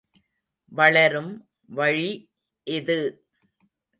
வளரும் வழி இது!